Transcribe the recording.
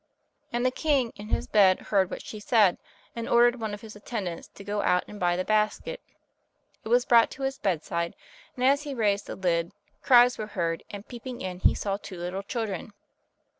And the king in his bed heard what she said, and ordered one of his attendants to go out and buy the basket. It was brought to his bedside, and as he raised the lid cries were heard, and peeping in he saw two little children.